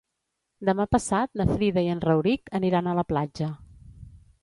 Demà passat na Frida i en Rauric aniran a la platja.